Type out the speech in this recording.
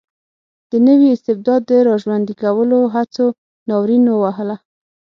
د نوي استبداد د را ژوندي کولو هڅو ناورین ووهله.